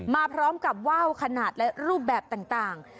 มาพร้อมกับว่าวขนาดและรูปแบบต่าง